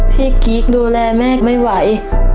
พี่กิ๊กดูแลแม่ไม่ไหว